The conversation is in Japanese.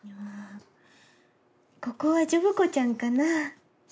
ここはジョブ子ちゃんかな。